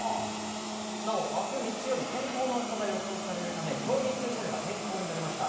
なお、あす日曜日、天候の悪化が予想されるため、競技スケジュールが変更になりました。